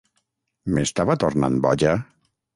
M'estava tornant boja?